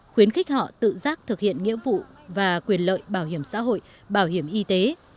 khuyến khích họ tự giác thực hiện nghĩa vụ và quyền lợi bảo hiểm xã hội bảo hiểm y tế